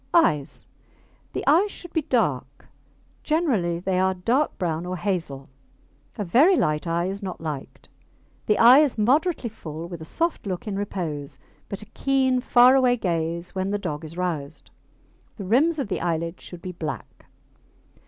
EYES The eyes should be dark: generally they are dark brown or hazel. A very light eye is not liked. The eye is moderately full with a soft look in repose, but a keen, far away gaze when the dog is roused. The rims of the eyelids should be black.